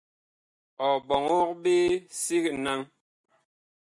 Ɔ ɓɔŋɔg ɓe sig naŋ.